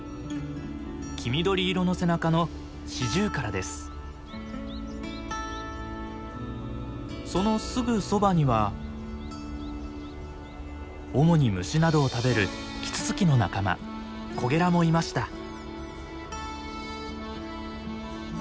黄緑色の背中のそのすぐそばには主に虫などを食べるキツツキの仲間コゲラもいました。